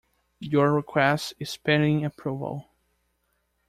Your request is pending approval.